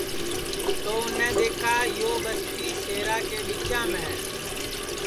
تو اُنیں دؔیکھا یو بستی سیرا کے ٻچام ہے